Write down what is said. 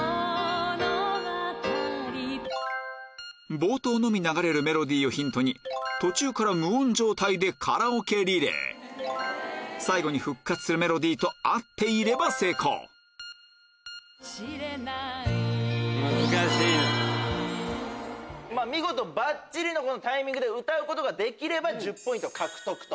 冒頭のみ流れるメロディーをヒントに途中から無音状態でカラオケリレー最後に復活するメロディーと合っていれば成功見事バッチリのタイミングで歌うことができれば１０ポイント獲得。